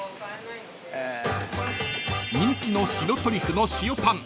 ［人気の白トリュフの塩パン］